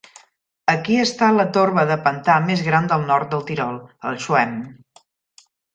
Aquí està la torba de pantà més gran del nord del Tirol, el "Schwemm".